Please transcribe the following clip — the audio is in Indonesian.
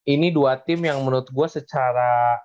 ini dua tim yang menurut gue secara